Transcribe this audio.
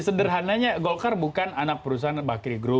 sederhananya golkar bukan anak perusahaan bakri group